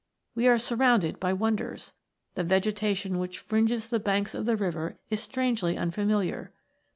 We are surrounded by wonders. The vegetation which fringes the banks of the river is strangely unfamiliar.